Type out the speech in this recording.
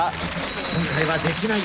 今回は「できない」